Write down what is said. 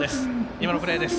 今のプレーです。